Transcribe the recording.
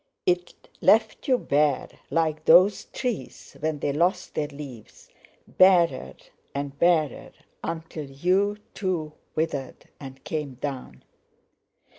It left you bare, like those trees when they lost their leaves; barer and barer until you, too, withered and came down.